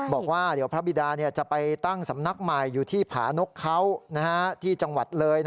บอกว่าเดี๋ยวพระบิดาจะไปตั้งสำนักใหม่อยู่ที่ผานกเขาที่จังหวัดเลย